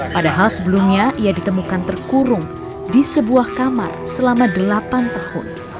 padahal sebelumnya ia ditemukan terkurung di sebuah kamar selama delapan tahun